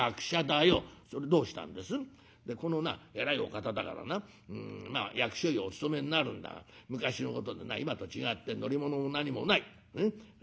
「でこのな偉いお方だからな役所にお勤めになるんだが昔のことでな今と違って乗り物も何もない。